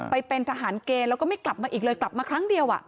ไปเป็นทหารเกณฑ์แล้วก็ไม่กลับมาอีกเลยกลับมาครั้งเดียว